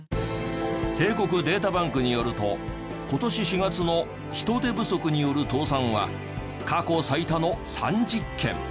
帝国データバンクによると今年４月の人手不足による倒産は過去最多の３０件。